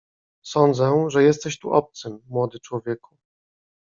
"Sądzę, że jesteś tu obcym, młody człowieku?"